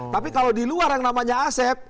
tapi kalau di luar yang namanya asep